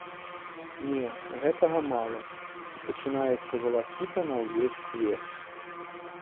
Не, гэтага мала, і пачынаецца валакіта на ўвесь свет.